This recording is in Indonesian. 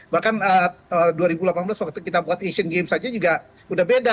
bahkan dua ribu delapan belas waktu kita buat asian games aja juga udah beda